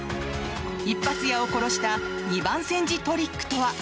一発屋を殺した二番煎じトリックとは？